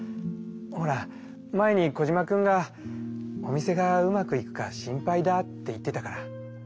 ほら前にコジマくんが「お店がうまくいくか心配だ」って言ってたから。